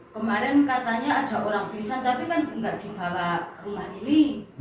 kemarin katanya ada orang pingsan tapi kan nggak dibawa rumah ini